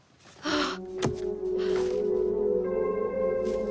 ああ